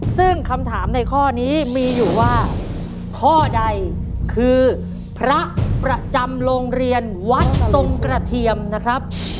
ซึ่งคำถามในข้อนี้มีอยู่ว่าข้อใดคือพระประจำโรงเรียนวัดทรงกระเทียมนะครับ